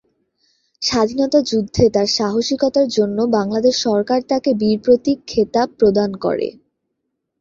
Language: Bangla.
স্বাধীনতা যুদ্ধে তার সাহসিকতার জন্য বাংলাদেশ সরকার তাকে বীর প্রতীক খেতাব প্রদান করে।